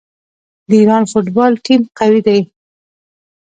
د ایران فوټبال ټیم قوي دی.